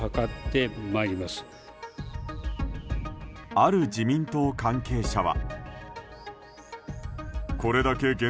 ある自民党関係者は。